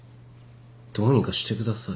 どうにかしてください。